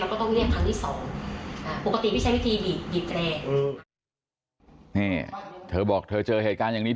อ่าปกติพี่ใช้วิธีบีบแปรอืมนี่เธอบอกเธอเจอเหตุการณ์อย่างนี้